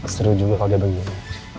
seru juga kalau dia begini